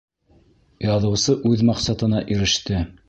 Яҙыусы үҙ маҡсатына иреште.